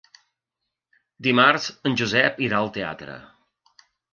Dimarts en Josep irà al teatre.